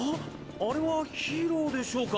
あれはヒーローでしょうか？